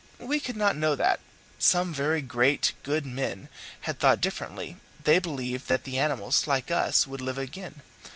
We could not know that; some very great, good men had thought differently; they believed that the animals, like us, would live again.